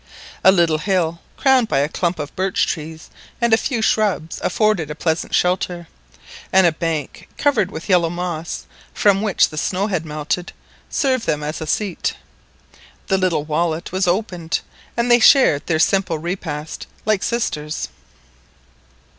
A little hill crowned by a clump of birch trees and a few shrubs afforded a pleasant shelter, and a bank covered with yellow moss, from which the snow had melted, served them as a seat. The little wallet was opened, and they shared their simple repast like sisters.